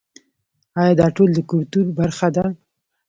آیا دا ټول د کلتور برخه ده؟